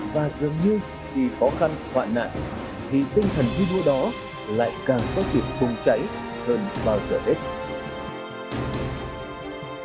và dường như vì khó khăn hoạn nạn thì tinh thần thi đua đó lại càng có dịp bùng cháy hơn bao giờ hết